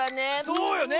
そうよね。